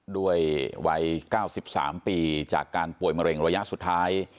ด้วยวัย๙๓ปีจากการป่วยมะเร็งระยะสุดท้าย